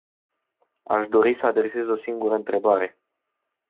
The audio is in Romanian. Aș dori să adresez o singură întrebare.